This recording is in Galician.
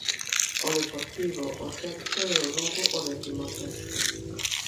O Deportivo o sexto e o Lugo o décimo sexto.